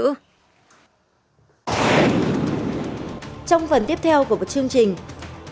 trong phần tiếp theo của một chương trình